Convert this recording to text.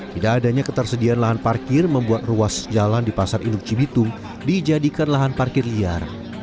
tidak adanya ketersediaan lahan parkir membuat ruas jalan di pasar induk cibitung dijadikan lahan parkir liar